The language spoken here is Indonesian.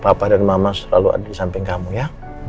bapak dan mama selalu ada di samping kamu ya